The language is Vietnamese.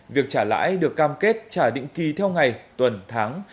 việc trả lãi được cam kết trả định kỳ theo ngày tuần tháng